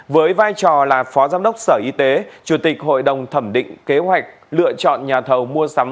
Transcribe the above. với vai trò là phó giám đốc sở y tế chủ tịch hội đồng thẩm định kế hoạch lựa chọn nhà thầu mua sắm